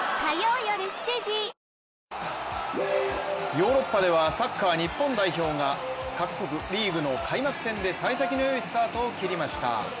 ヨーロッパではサッカー日本代表が各国リーグの開幕戦でさい先の良いスタートを切りました。